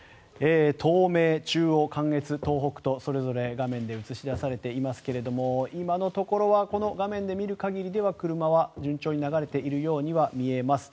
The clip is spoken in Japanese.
東名、中央、関越東北とそれぞれ画面に映し出されていますが今のところは画面で見る限りでは車は順調に流れているようには見えます。